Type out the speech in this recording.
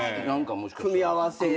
組み合わせで。